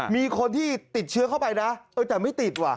มีคนที่ติดเชื้อเข้าไปนะเออแต่ไม่ติดว่ะ